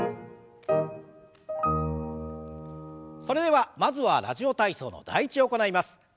それではまずは「ラジオ体操」の「第１」を行います。